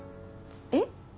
えっ？